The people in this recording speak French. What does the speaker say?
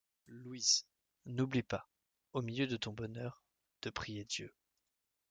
Louise, n’oublie pas, au milieu de ton bonheur, de prier Dieu.